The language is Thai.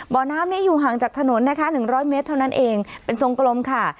บ่อน้ำนี้อยู่ห่างจากถนนนะคะ๑๐๐เมตรเท่านั้นเองเป็นทรงกลมค่ะ